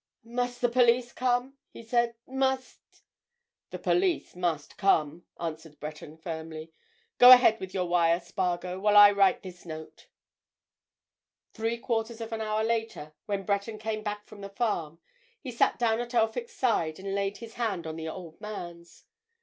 "Must the police come?" he said. "Must——" "The police must come," answered Breton firmly. "Go ahead with your wire, Spargo, while I write this note." Three quarters of an hour later, when Breton came back from the farm, he sat down at Elphick's side and laid his hand on the old man's.